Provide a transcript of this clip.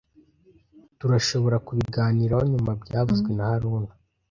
Tturashoborakubiganiraho nyuma byavuzwe na haruna